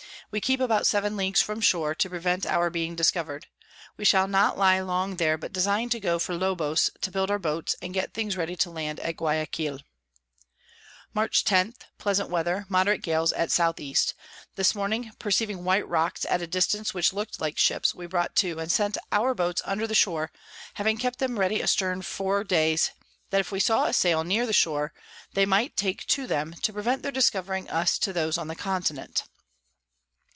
We keep about 7 Ls. from Shore, to prevent our being discover'd. We shall not lie long here, but design to go for Lobos to build our Boats, and get things ready to land at Guiaquil. Mar. 10. Pleasant Weather, moderate Gales at S E. This Morning, perceiving white Rocks at a distance which look'd like Ships, we brought to, and sent our Boats under the shore, having kept them ready a stern four days, that if we saw a Sail near the Shore, they might take them, to prevent their discovering us to those on the Continent.